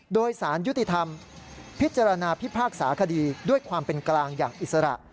โดยสารยุติธรรมพิจารณาพิพากษาคดีด้วยความเป็นกลางอย่างอิสระ